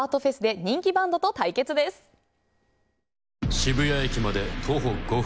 渋谷駅まで徒歩５分。